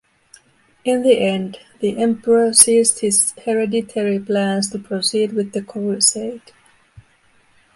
In the end, the Emperor ceased his Hereditary plans to proceed with the Crusade.